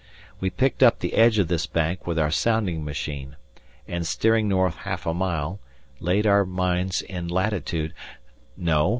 We picked up the edge of this bank with our sounding machine, and steering north half a mile, laid our mines in latitude No!